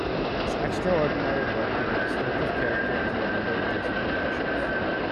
His extraordinary work gave a distinctive character to a number of Disney productions.